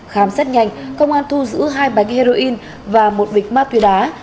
khám sát nhanh công an thu giữ hai bánh heroin và một vịt ma túy đá